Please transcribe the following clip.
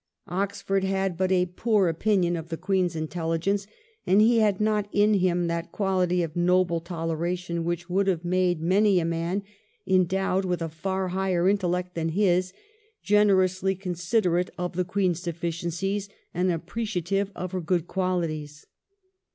Oxford had but a poor opinion of the Queen's intelligence, and he had not in him that quahty of noble toleration which would have made many a man endowed with a far higher intellect than his, generously considerate of the Queen's deficiencies and appreciative of her good quahties.